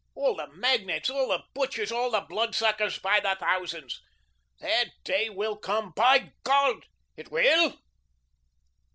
All the magnates, all the butchers, all the blood suckers, by the thousands. Their day will come, by God, it will."